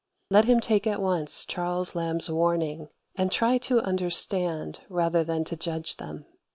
Let him take at once Charles Lamb's warning, and try to understand, rather than to judge them.